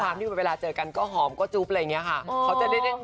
เรื่องนี้เวลาเจอกันก็ทรมานก็รับยุ่ง